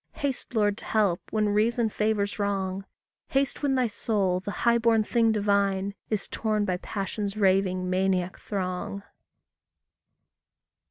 Haste, Lord, to help, when reason favours wrong; Haste when thy soul, the high born thing divine, Is torn by passion's raving, maniac throng.